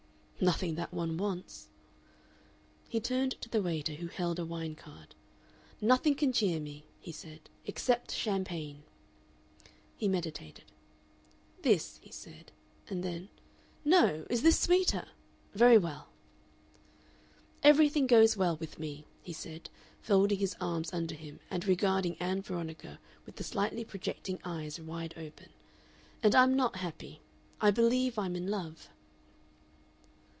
"Nothing that one wants." He turned to the waiter, who held a wine card. "Nothing can cheer me," he said, "except champagne." He meditated. "This," he said, and then: "No! Is this sweeter? Very well." "Everything goes well with me," he said, folding his arms under him and regarding Ann Veronica with the slightly projecting eyes wide open. "And I'm not happy. I believe I'm in love."